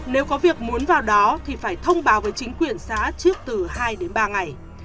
nếu có việc muốn vào đó thì phải thông báo với chính quyền xã trước từ hai đến ba ngày